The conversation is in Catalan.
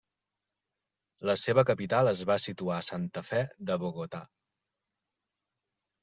La seva capital es va situar a Santa Fe de Bogotà.